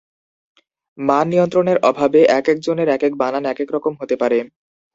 মাননিয়ন্ত্রণের অভাবে একেক জনের একেক বানান একেক রকম হতে পারে।